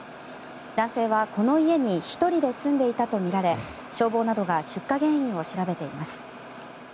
男性は、この家に１人で住んでいたとみられ消防などが出火原因を調べています。